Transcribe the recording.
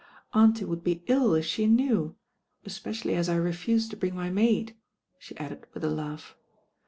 Auntie would be iU if she knew, especially as I refused to bring my maid," she added with a laugh.